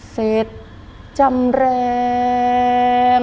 เสร็จจำแรง